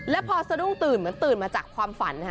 แล้วพอสะดุ้งตื่นเหมือนตื่นมาจากความฝันนะคะ